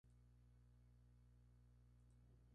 Fue jefe de operaciones en Puebla y Tlaxcala.